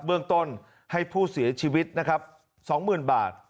เบื้องต้นให้ผู้เสียชีวิตนะครับ๒๐๐๐บาท